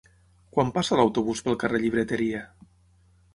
Quan passa l'autobús pel carrer Llibreteria?